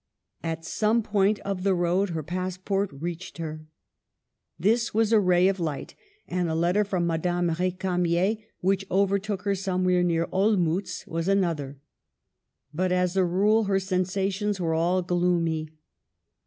At some point of the road her passport reached her. This, was a ray of light ; and a letter from Madame Ricamier, which overtook her somewhere near Olmutz, was another. But, as a rule, her sensations were all gloomy.